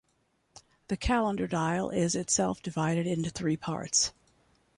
The calendar dial is itself divided into three parts.